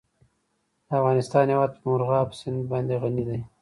د افغانستان هیواد په مورغاب سیند باندې غني دی.